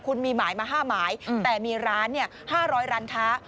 คุณมีหมายมา๕หมายแต่มีร้าน๕๐๐ร้านค้า